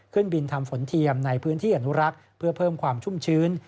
ขึ้นบินทำฝนเทียมในพื้นที่อนุรักษ์เพื่อเพิ่มความชุ่มชื้น